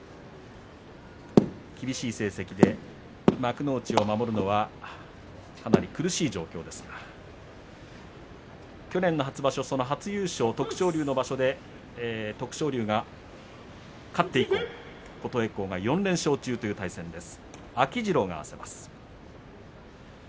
厳しい成績で幕内を守るのはかなり苦しい状況ですが去年の初場所、その初優勝徳勝龍の場所で徳勝龍は勝って以降、琴恵光が４連勝中という対戦です。